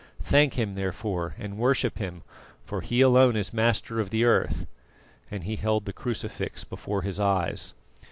Thank Him, therefore, and worship Him, for He alone is Master of the Earth," and he held the crucifix before his eyes.